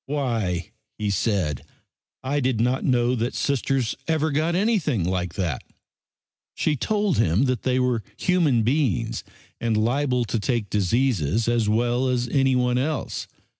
"Why," he said, "I did not know that Sisters ever got anything like that." She told him that they were human beings and liable to take diseases as well as anyone else.